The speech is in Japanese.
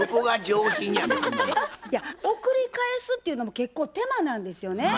いや送り返すっていうのも結構手間なんですよね。